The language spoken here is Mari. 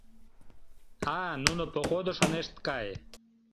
«А-а, нуно походыш ынешт кай.